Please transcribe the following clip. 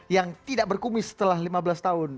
yang tidak berkumis setelah lima belas tahun